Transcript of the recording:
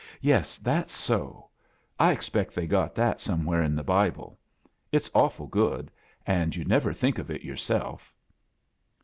Yes, that's so, I expect they got that somewheres hi the Bible. It's awfol good, and you*d nevet think of it yourself."